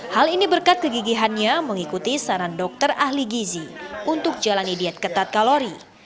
hal ini berkat kegigihannya mengikuti saran dokter ahli gizi untuk jalani diet ketat kalori